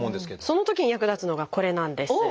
そのときに役立つのがこれなんです。